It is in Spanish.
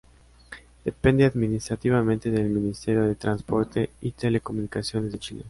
Depende administrativamente del Ministerio de Transporte y Telecomunicaciones de Chile.